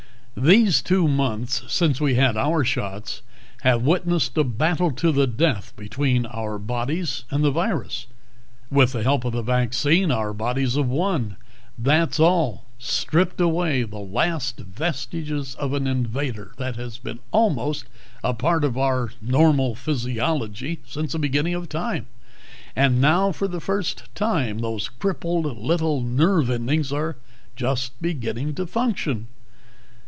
"These two months since we had our shots have witnessed a battle to the death between our bodies and the virus. With the help of the vaccine, our bodies have won, that's all stripped away the last vestiges of an invader that has been almost a part of our normal physiology since the beginning of time. And now for the first time those crippled little nerve endings are just beginning to function."